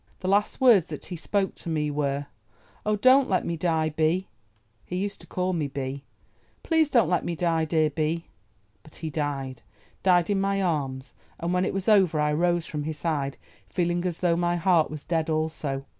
The last words that he spoke to me were, 'Oh, don't let me die, Bee!'—he used to call me Bee—'Please don't let me die, dear Bee!' But he died, died in my arms, and when it was over I rose from his side feeling as though my heart was dead also.